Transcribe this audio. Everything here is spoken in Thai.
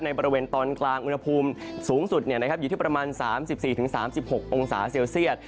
บริเวณตอนกลางอุณหภูมิสูงสุดอยู่ที่ประมาณ๓๔๓๖องศาเซลเซียต